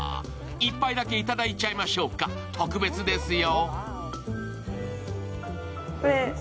１杯だけいただいちゃいましょうか特別ですよ。